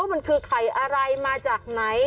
มันคือไข่อะไรมาจากไหน